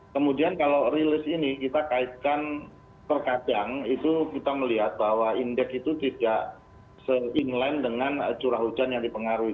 kemudian kalau rilis ini kita kaitkan terkadang itu kita melihat bahwa indeks itu tidak se inline dengan curah hujan yang dipengaruhi